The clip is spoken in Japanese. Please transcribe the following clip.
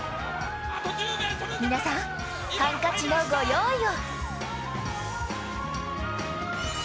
皆さん、ハンカチの御用意を。